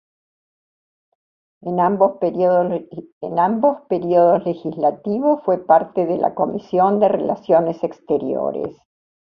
En ambos períodos legislativos fue parte de la Comisión de Relaciones Exteriores.